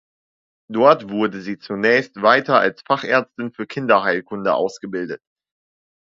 Dort wurde sie zunächst weiter als Fachärztin für Kinderheilkunde ausgebildet.